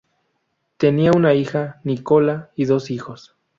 Tenía una hija, Nicola, y dos hijos.